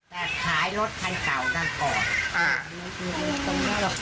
แต่ขายรถกันเก่านั้นก่อน